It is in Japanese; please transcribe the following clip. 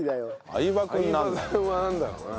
相葉君はなんだろうな。